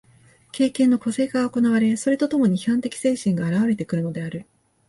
経験の個性化が行われ、それと共に批判的精神が現われてくるのである。